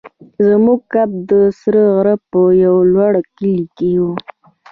زموږ کمپ د سره غره په یو لوړ کلي کې وو.